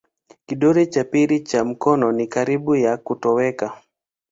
Kidole cha pili cha mikono ni karibu ya kutoweka.